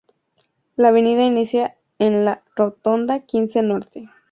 La avenida inicia en la rotonda Quince Norte.